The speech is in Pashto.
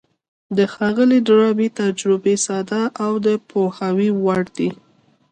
د ښاغلي ډاربي تجربې ساده او د پوهاوي وړ دي.